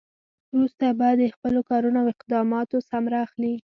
وروسته به د خپلو کارونو او اقداماتو ثمره اخلي.